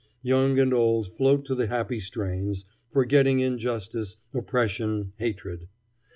Young and old float to the happy strains, forgetting injustice, oppression, hatred.